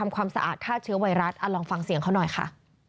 ความสะอาดฆ่าเชื้อไวรัสลองฟังเสียงเขาหน่อยค่ะ